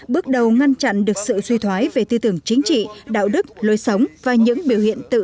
bước đầu ngăn chặn được sự suy thoái về tư tưởng chính trị đạo đức lối sống và những biểu hiện tự